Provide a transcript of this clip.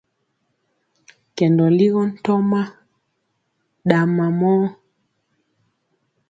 Kɛndɔ ligɔ toma ɗa mamɔɔ.